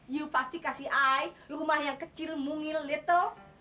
yu pasti kasih i rumah yang kecil mungil little